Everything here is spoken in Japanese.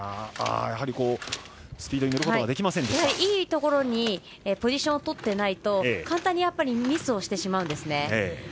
いいところにポジションをとっていないと簡単にミスをしてしまうんですね。